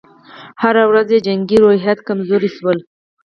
هره ورځ یې جنګي روحیات کمزوري شول.